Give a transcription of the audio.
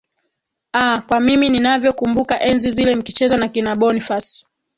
aa kwa mimi ninavyo kumbuka enzi zile mkicheza na kina boniface